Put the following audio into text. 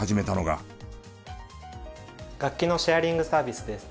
楽器のシェアリングサービスです。